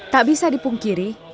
tak bisa dipungkiri